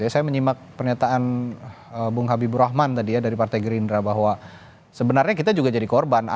saya menyimak pernyataan bung habibur rahman tadi ya dari partai gerindra bahwa sebenarnya kita juga jadi korban